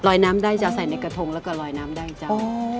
น้ำได้จะใส่ในกระทงแล้วก็ลอยน้ำได้จ้า